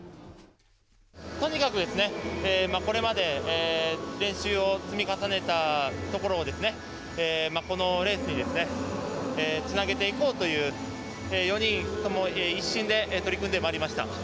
とにかく、これまで練習を積み重ねたところをこのレースにつなげていこうという４人とも一心で取り組んでまいりました。